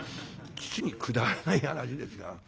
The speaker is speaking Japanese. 実にくだらない話ですが。